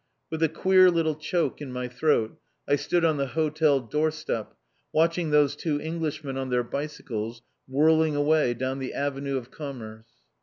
With a queer little choke in my throat, I stood on the hotel door step, watching those two Englishmen on their bicycles whirling away down the Avenue de Commerce.